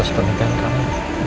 atas pernikahan kamu